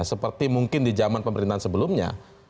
seperti mungkin di zaman pemerintahan sebelumnya